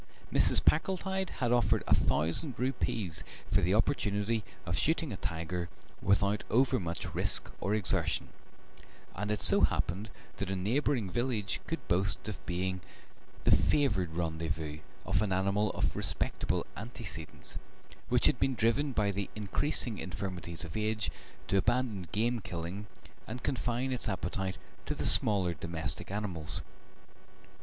Mrs. Packletide had offered a thousand rupees for the opportunity of shooting a tiger without overmuch risk or exertion, and it so happened that a neighbouring village could boast of being the favoured rendezvous of an animal of respectable antecedents, which had been driven by the increasing infirmities of age to abandon game killing and confine its appetite to the smaller domestic animals.